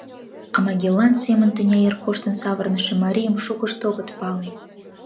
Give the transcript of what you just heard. А Магеллан семын тӱня йыр коштын савырныше марийым шукышт огыт пале.